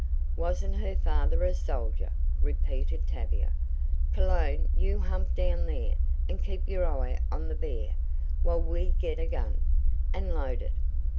"Wasn't her father a soldier!" repeated Tavia. "Cologne you hump down there, and keep your eye on the bear, while we get a gun, and load it.